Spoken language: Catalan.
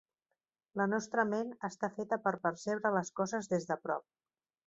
La nostra ment està feta per percebre les coses des de prop.